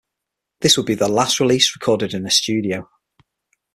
This would be their last release recorded in a studio.